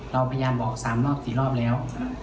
เราพยายามบอกสามรอบสี่รอบแล้ว